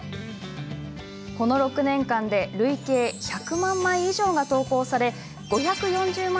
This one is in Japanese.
この６年間で累計１００万枚以上が投稿され５４０万